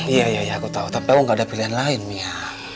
iya iya aku tahu tapi aku gak ada pilihan lain mia